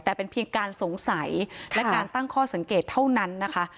แต่เป็นเพียงการสงสัยและการตั้งข้อสังเกตเท่านั้นนะคะ